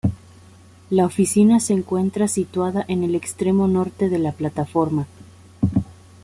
La oficina se encuentra situada en el extremo norte de la plataforma.